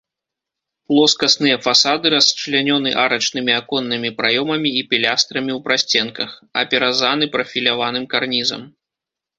Плоскасныя фасады расчлянёны арачнымі аконнымі праёмамі і пілястрамі ў прасценках, апяразаны прафіляваным карнізам.